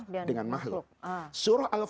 kemudian segala sesuatu yang menjadi urusan makhluk